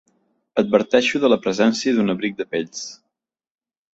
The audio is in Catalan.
Adverteixo de la presència d'un abric de pells.